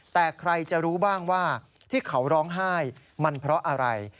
แต่ใครจะรู้บ้างว่าที่เขาร้องไห้มันเพราะอะไร